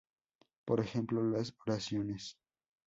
Por ejemplo, las oraciones.